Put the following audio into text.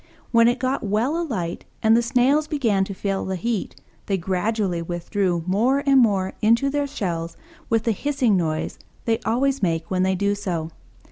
When it got well alight and the Snails began to feel the heat, they gradually withdrew more and more into their shells with the hissing noise they always make when they do so.